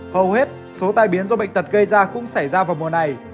hầu hết số tai biến do bệnh tật gây ra cũng xảy ra vào mùa này